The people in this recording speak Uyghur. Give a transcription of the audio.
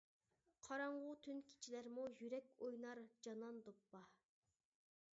قاراڭغۇ تۈن كېچىلەرمۇ يۈرەك ئوينار جانان دوپپا!